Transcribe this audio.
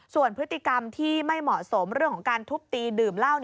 ส่วนพฤติกรรมที่ไม่เหมาะสมเรื่องของการทุบตีดื่มเหล้า